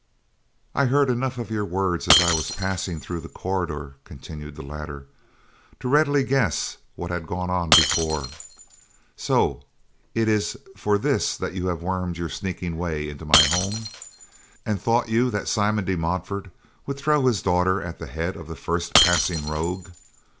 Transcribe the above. "I heard enough of your words as I was passing through the corridor," continued the latter, "to readily guess what had gone before. So it is for this that you have wormed your sneaking way into my home? And thought you that Simon de Montfort would throw his daughter at the head of the first passing rogue?